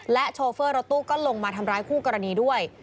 โชเฟอร์รถตู้ก็ลงมาทำร้ายคู่กรณีด้วย